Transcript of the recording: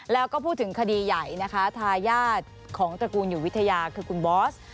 แล้วก็พูดถึงคดีใหญ่นะคะทายาทของตระกูลอยู่วิทยาคือคุณบอส